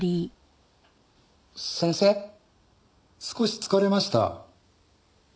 少し疲れました。